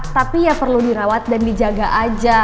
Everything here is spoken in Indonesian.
tapi ya perlu dirawat dan dijaga aja